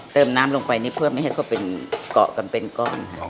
เติมน้ำลงไปเพื่อไม่ให้เขาก่อกันเป็นก้อน